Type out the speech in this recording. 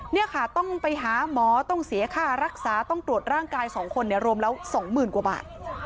นี่ค่ะต้องไปหาหมอต้องเสียค่ารักษาต้องตรวจร่างกาย๒คนรวมแล้ว๒๐๐๐กว่าบาท